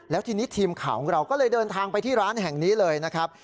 แล้วทีนี้ทีมข่าวของเราก็เลยเดินทางไปที่ร้านแห่งนี้เลยนะครับ